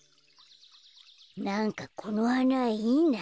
なんかこのはないいな。